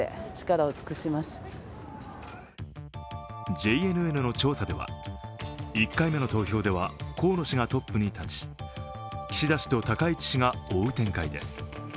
ＪＮＮの調査では、１回目の投票では河野氏がトップに立ち岸田氏と高市氏が追う展開です。